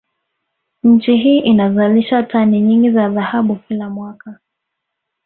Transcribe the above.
Nchi hii inazalisha tani nyingi za dhahabu kila mwaka